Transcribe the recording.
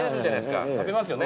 食べますよね？